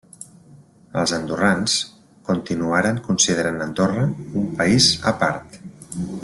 Els andorrans continuaren considerant Andorra un país a part.